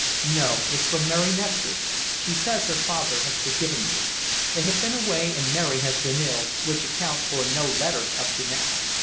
"No it's from Mary Nestor. She says her father has forgiven me. They have been away, and Mary has been ill, which accounts for no letters up to now.